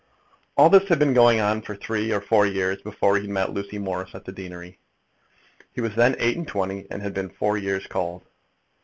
All this had been going on for three or four years before he had met Lucy Morris at the deanery. He was then eight and twenty, and had been four years called.